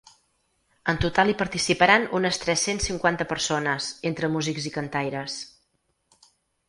En total hi participaran unes tres-cents cinquanta persones, entre músics i cantaires.